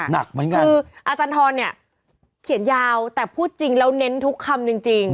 หนักเหมือนกันคืออาจารย์ทรเนี่ยเขียนยาวแต่พูดจริงแล้วเน้นทุกคำจริง